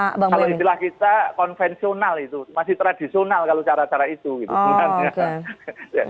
kalau dibilang kita konvensional itu masih tradisional kalau cara cara itu